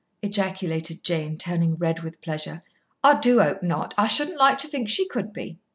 ejaculated Jane, turning red with pleasure. "I do hope not. I shouldn't like to think she could be."